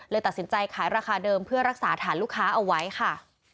ตัดสินใจขายราคาเดิมเพื่อรักษาฐานลูกค้าเอาไว้ค่ะ